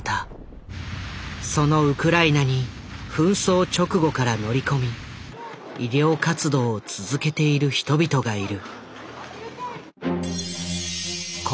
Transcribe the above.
そのウクライナに紛争直後から乗り込み医療活動を続けている人々がいる。